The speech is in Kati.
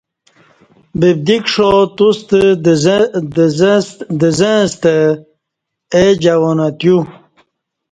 ببدی کݜا توستہ دزں استہ اے جوانہ تیو